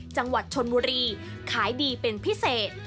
จังหวัดชนบุรีขายดีเป็นพิเศษ